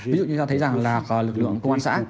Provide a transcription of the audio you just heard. ví dụ như ta thấy rằng là lực lượng công an xã